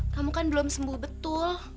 kamu kan belum sembuh betul